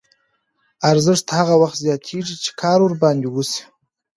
ارزښت هغه وخت زیاتېږي چې کار ورباندې وشي